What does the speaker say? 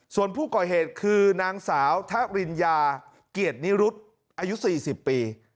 ส่วนผู้ก่อเหตุคือนางสาวทะริญญาเกียรตินิรุธอายุ๔๐ปี